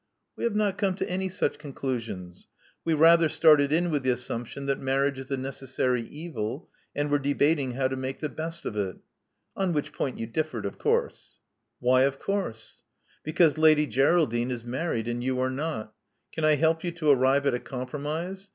"We have not come to any such conclusions. We rather started in with the assumption that marriage is a necessary evil, and were debating how to make the best of it." "On which point you differed, of course." Love Among the Artists 307 Why of course?" Because Lady Geraldine is married and you are not. Can I help you to arrive at a compromise?